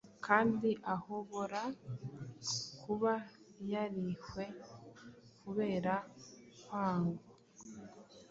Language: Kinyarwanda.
kandi ahobora kuba yarihwe kubera kwanga